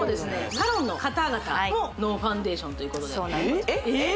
サロンの方々もノーファンデーションということでえっ？